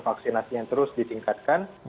vaksinasi yang terus ditingkatkan